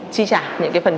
chi trả những cái phần